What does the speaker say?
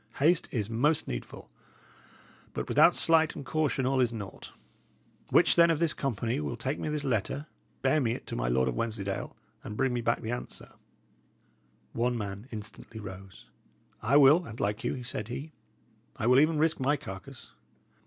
Haste is most needful; but without sleight and caution all is naught. Which, then, of this company will take me this letter, bear me it to my Lord of Wensleydale, and bring me the answer back?" One man instantly arose. "I will, an't like you," said he. "I will even risk my carcase."